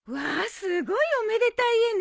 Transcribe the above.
すごいおめでたい絵ね。